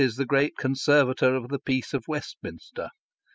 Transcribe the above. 113 the great conservator of the peace of Westminster.